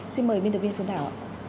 xin mời binh thập vinh phương thảo